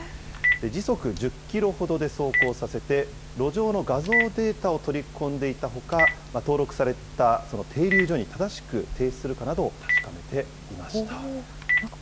時速１０キロほどで走行させて、路上の画像データを取り込んでいたほか、登録された停留所に正しく停止するかなどを確かめていました。